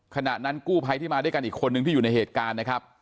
ขณะนั้นกู้ภัยที่มาด้วยกันอีกคนนึงที่อยู่ในเหตุการณ์นะครับ